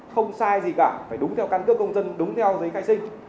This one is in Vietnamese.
không sai gì cả phải đúng theo căn cước công dân đúng theo giấy khai sinh